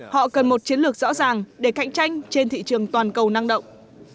họ cần một chiến lược rõ ràng để cạnh tranh trên thị trường toàn cầu năng động